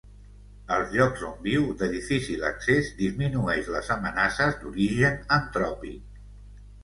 Els llocs on viu, de difícil accés, disminueix les amenaces d'origen antròpic.